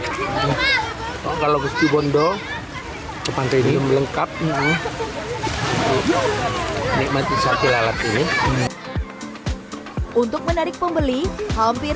situbondo ke pantai ini lengkap ini nikmati sate lalat ini untuk menarik pembeli hampir